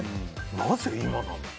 なぜ今なの？